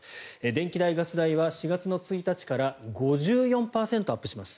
電気代、ガス代は４月１日から５４％アップします。